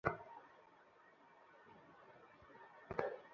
তারা তারই গোত্রের লোক।